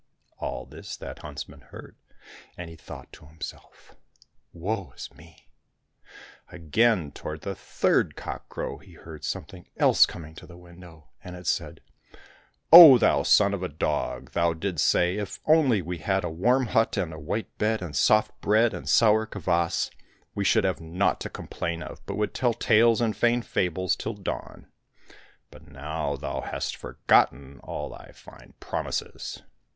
All this that huntsman heard, and he thought to himself, " Woe is me !" Again, toward the third cockcrow, he heard some thing else coming to the window, and it said, " Oh, thou son of a dog ! thou didst say, * If only we had a warm hut, and a white bed, and soft bread, and sour kvas, we should have naught to complain of, but would tell tales and feign fables till dawn '; but now thou hast forgotten all thy fine promises